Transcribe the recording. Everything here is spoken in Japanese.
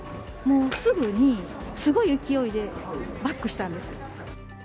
すぐに、すごい勢いでバックしたんです。